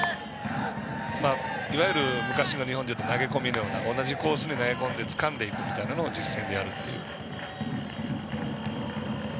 いわゆる昔の日本でいうと投げ込みというような同じコースに投げ込んでつかんでいくみたいなことを実戦でやるという。